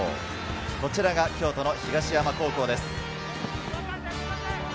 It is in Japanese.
こちらが京都の東山高校です。